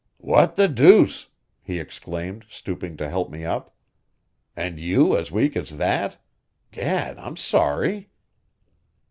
"What the deuce!" he exclaimed, stooping to help me up. "Are you as weak as that? Gad, I'm sorry!"